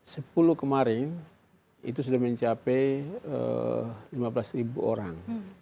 setelah tanggal sepuluh kemarin itu sudah mencapai lima belas orang